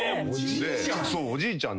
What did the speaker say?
おじいちゃん？